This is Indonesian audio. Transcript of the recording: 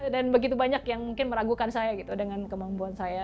dan begitu banyak yang mungkin meragukan saya gitu dengan kemampuan saya